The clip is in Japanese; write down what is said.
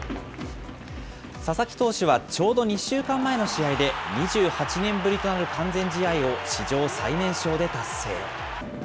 佐々木投手はちょうど２週間前の試合で、２８年ぶりとなる完全試合を史上最年少で達成。